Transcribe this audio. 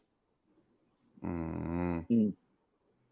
อืม